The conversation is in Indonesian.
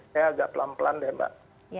saya agak pelan pelan deh mbak